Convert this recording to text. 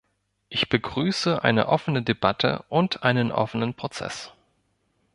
Ich begrüße eine offene Debatte und einen offenen Prozess.